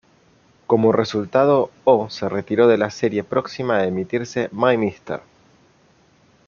Como resultado, Oh se retiró de la serie próxima a emitirse "My Mister".